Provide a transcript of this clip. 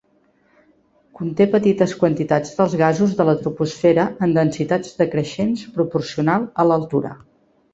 Conté petites quantitats dels gasos de la troposfera en densitats decreixents proporcional a l'altura.